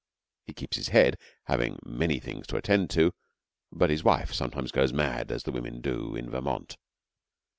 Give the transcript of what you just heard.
He keeps his head, having many things to attend to, but his wife sometimes goes mad as the women do in Vermont.